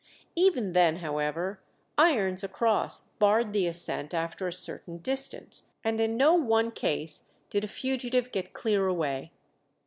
Even then, however, irons across barred the ascent after a certain distance, and in no one case did a fugitive get clear away.